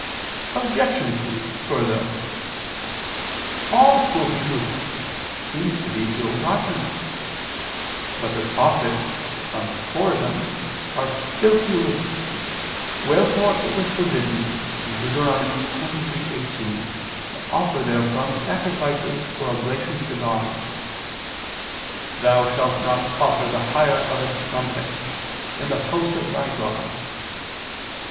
Obj. 2: Further, all filthy lucre seems to be ill gotten. But the profits from whoredom are filthy lucre; wherefore it was forbidden (Deut. 23:18) to offer therefrom sacrifices or oblations to God: "Thou shalt not offer the hire of a strumpet ... in the house of ... thy God."